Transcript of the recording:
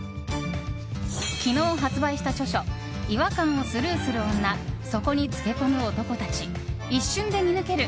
昨日、発売した著書「違和感をスルーする女、そこにつけこむ男たち一瞬で見抜ける！